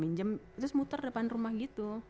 terus muter depan rumah gitu